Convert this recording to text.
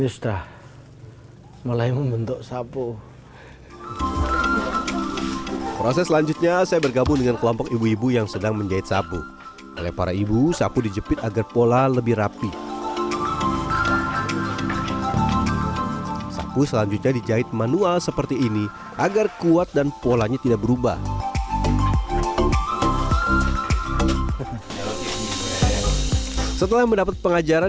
ibu sapu di jepit agar pola lebih rapi satu selanjutnya di jahit manual seperti ini agar kuat dan polanya tidak berubah setelah mendapat pengajaran dari brian mba tinggal dabul ya udah w llamat kunnen w hara eh ini pahalthe jira dan ivonne saya anda mau atauantar yang saya sudah keluar